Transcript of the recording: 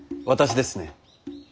私ですね。